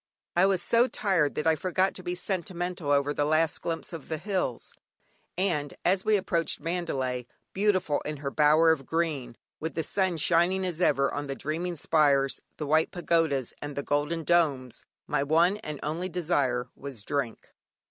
I was so tired that I forgot to be sentimental over the last glimpse of the hills; and as we approached Mandalay, beautiful in her bower of green, with the sun shining as ever on the "dreaming spires," the white pagodas, and the golden domes, my one and only desire was "Drink."